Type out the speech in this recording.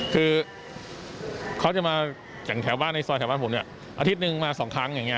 เขาจะมาอย่างแถวบ้านในซอยแถวบ้านผมอาทิตย์หนึ่งมาสองครั้งว๋